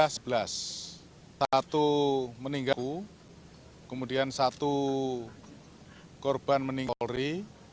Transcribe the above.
satu meninggalku kemudian satu korban meninggalku polri